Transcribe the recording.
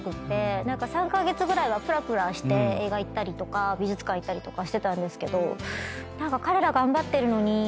３カ月ぐらいはぷらぷらして映画行ったりとか美術館行ったりとかしてたんですけど。